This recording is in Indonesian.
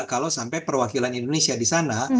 kalau sampai perwakilan indonesia di sana